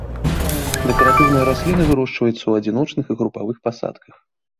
Дэкаратыўныя расліны, вырошчваюцца ў адзіночных і групавых пасадках.